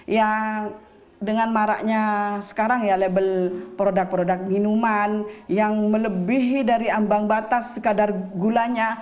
ya dengan maraknya sekarang ya label produk produk minuman yang melebihi dari ambang batas sekadar gulanya